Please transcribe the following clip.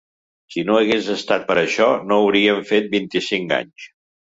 Si no hagués estat per això no hauríem fet vint-i-cinc anys!